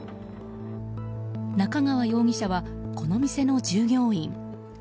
中川容疑者は、この店の従業員。